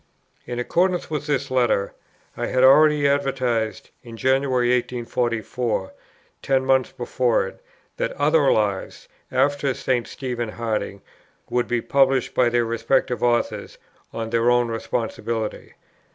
In accordance with this letter, I had already advertised in January 1844, ten months before it, that "other Lives," after St. Stephen Harding, would "be published by their respective authors on their own responsibility."